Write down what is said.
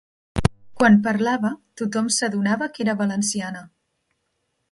Quan parlava, tothom s'adonava que era valenciana.